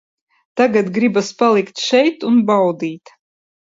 Tagad gribas palikt šeit un baudīt.